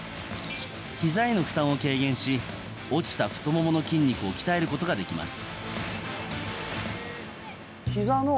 ひざへの負担を軽減し落ちた太ももの筋肉を鍛えることができます。